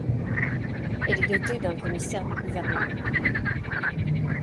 Elle est dotée d’un commissaire du gouvernement.